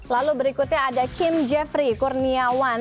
lalu berikutnya ada kim jeffrey kurniawan